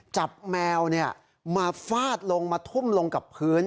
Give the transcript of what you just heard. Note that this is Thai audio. จับแมวมาฟาดลงมาทุ่มลงกับพื้น